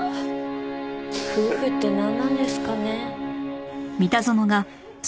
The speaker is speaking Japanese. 夫婦ってなんなんですかね。